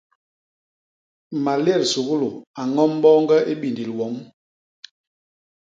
Malét suglu a ñom boñge i bindil wom.